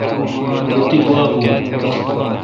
رو تی گوا بون۔